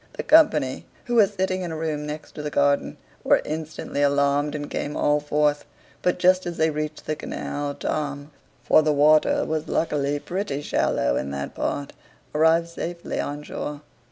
The company, who were sitting in a room next the garden, were instantly alarmed, and came all forth; but just as they reached the canal, Tom (for the water was luckily pretty shallow in that part) arrived safely on shore.